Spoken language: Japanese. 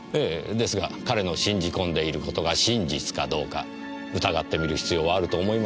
ですが彼の信じ込んでいることが真実かどうか疑ってみる必要はあると思いますよ。